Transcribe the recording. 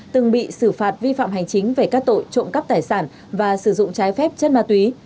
từng bị xử phạt vi phạm hành chính về các tội trộm cắp tài sản và sử dụng trái phép chất ma túy